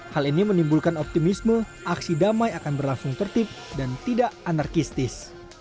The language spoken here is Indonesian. hal ini menimbulkan optimisme aksi damai akan berlangsung tertib dan tidak anarkistis